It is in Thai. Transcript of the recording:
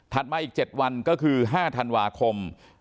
มาอีก๗วันก็คือ๕ธันวาคม